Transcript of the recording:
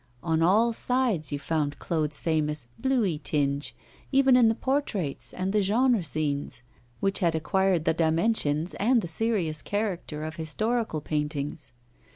On all sides you found Claude's famous 'bluey tinge,' even in the portraits and the genre scenes, which had acquired the dimensions and the serious character of historical paintings.